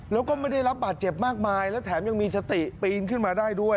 แล้วก็ไม่ได้รับบาดเจ็บมากมายและแถมยังมีสติปีนขึ้นมาได้ด้วย